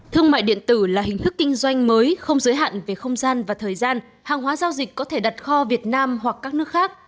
thương mại điện tử là hình thức kinh doanh mới không giới hạn về không gian và thời gian hàng hóa giao dịch có thể đặt kho việt nam hoặc các nước khác